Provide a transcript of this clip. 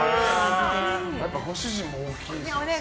やっぱりご主人も大きいですもんね。